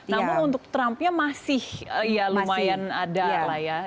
namun untuk trumpnya masih ya lumayan ada lah ya